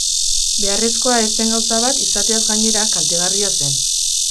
Beharrezkoa ez zen gauza bat izateaz gainera kaltegarria zen.